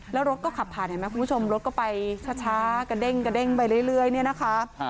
แล้วรถก็ขับผ่านเห็นไหมคุณผู้ชมรถก็ไปช้ากระเด้งกระเด้งไปเรื่อยเนี่ยนะคะ